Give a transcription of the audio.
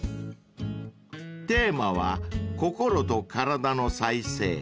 ［テーマは「心と身体の再生」］